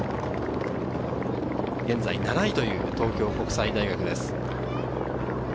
現在７位という東京国際大学です。